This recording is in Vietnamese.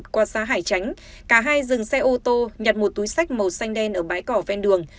qua xã hải chánh cả hai dừng xe ô tô nhặt một túi sách màu xanh đen ở bãi cỏ ven đường